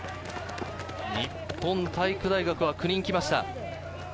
日本体育大学は９人来ました。